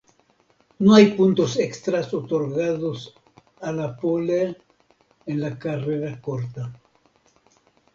No hay puntos extras otorgados a la pole en la carrera corta.